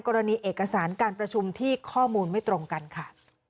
กรณีเอกสารการประชุมที่ข้อมูลไม่ตรงกันค่ะ